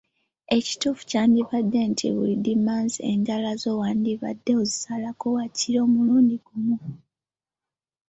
Ekituufu kyandibadde nti buli Ddimansi enjala zo wandibadde ozisalako waakiri omulundi gumu.